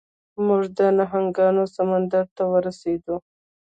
موږ د نهنګانو سمندر ته ورسیدو.